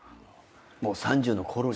もう３０の頃に。